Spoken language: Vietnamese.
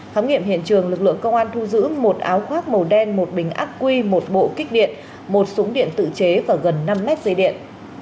khám nghiệm hiện trường lực lượng công an thu giữ một áo khoác màu đen một bình ác quy một bộ kích điện một súng điện tự chế và gần năm mét dây điện